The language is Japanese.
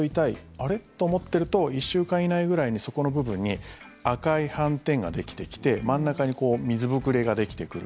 あれ？と思ってると１週間以内ぐらいにそこの部分に赤い斑点ができてきて真ん中に水膨れができてくる。